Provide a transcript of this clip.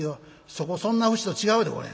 そこそんな節と違うで。